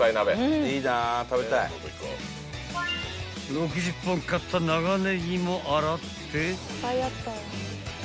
［６０本買った長ネギも洗って］